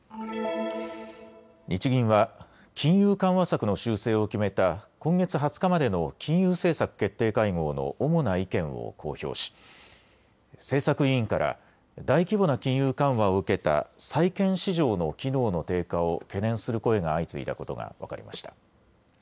日銀は金融緩和策の修正を決めた今月２０日までの金融政策決定会合の主な意見を公表し政策委員から大規模な金融緩和を受けた債券市場の機能の低下を懸念する声が相次いだことが分かりました。